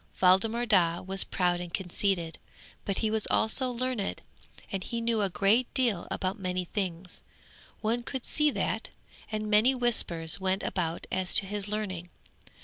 Waldemar Daa was proud and conceited, but he was also learned, and he knew a great deal about many things. One could see that, and many whispers went about as to his learning.